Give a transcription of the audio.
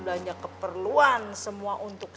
belanja keperluan semua untuk